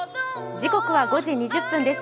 時刻は５時２０分です。